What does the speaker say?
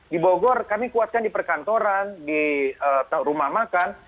di bogor kami kuatkan di perkantoran di rumah makan